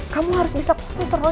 kamu harus bisa kontrol